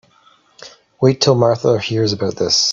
Wait till Martha hears about this.